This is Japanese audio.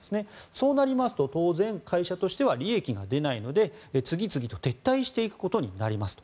そうなりますと当然、会社としては利益が出ないので、次々と撤退していくことになりますと。